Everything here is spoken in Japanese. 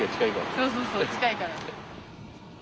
そうそうそう近いから。